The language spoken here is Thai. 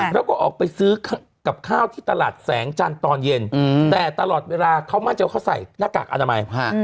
แล้วก็ออกไปซื้อกับข้าวที่ตลาดแสงจันทร์ตอนเย็นแต่ตลอดเวลาเขามั่นใจว่าเขาใส่หน้ากากอนามัย